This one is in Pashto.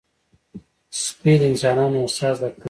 سپي د انسانانو احساس درک کوي.